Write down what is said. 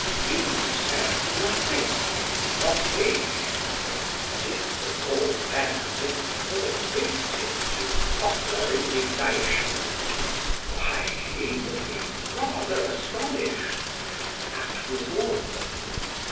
Ho said nothing not he ; but if the Lord Mayor didn't fall a victim to popular indignation, why he would be rather astonished ; that was all.